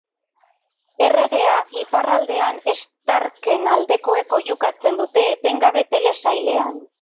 Erregea iparraldean Stark-en aldekoek oihukatzen dute etengabe telesailean.